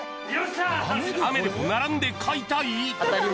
雨でも並んで買いたい？